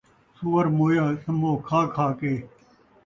سوّر مویا سمو کھا کھا کے